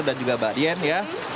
dan juga mbak dien ya